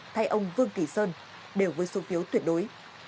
thay ông vương kỳ sơn đều với số phiếu tuyệt đối